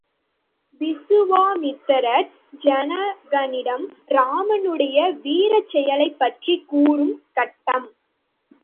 விசுவாமித்திரர் ஜனகனிடம் ராமனுடைய வீரச்செயலைப்பற்றிக் கூறும் கட்டம்.